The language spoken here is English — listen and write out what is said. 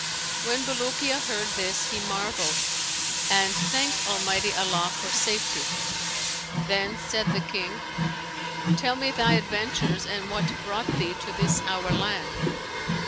When Bulukiya heard this, he marvelled and thanked Allah Almighty for safety. Then said the King, 'Tell me thy adventures and what brought thee to this our land.'